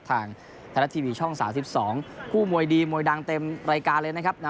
ทางไทยรัฐทีวีช่อง๓๒คู่มวยดีมวยดังเต็มรายการเลยนะครับ